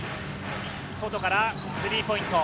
外からスリーポイント。